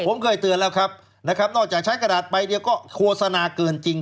ผมเคยเตือนแล้วครับนะครับนอกจากใช้กระดาษใบเดียวก็โฆษณาเกินจริง